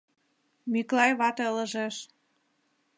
— Мӱклай вате ылыжеш.